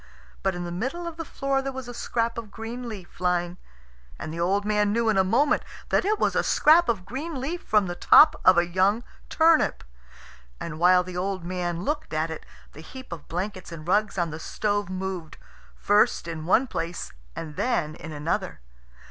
But in the middle of the floor there was a scrap of green leaf lying, and the old man knew in a moment that it was a scrap of green leaf from the top of a young turnip. And while the old man looked at it, the heap of blankets and rugs on the stove moved, first in one place and then in another.